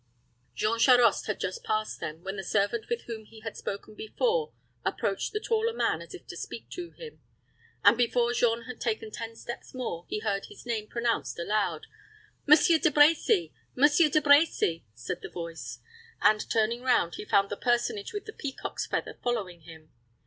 Jean Charost had just passed them, when the servant with whom he had spoken before approached the taller man as if to speak to him; and before Jean had taken ten steps more, he heard his name pronounced aloud. "Monsieur De Brecy Monsieur De Brecy!" said the voice; and, turning round, he found the personage with the peacock's feather following him.